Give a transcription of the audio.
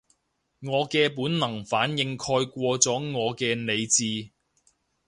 我嘅本能反應蓋過咗我嘅理智